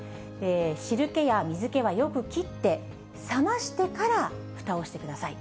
汁気や水けはよく切って、冷ましてからふたをしてください。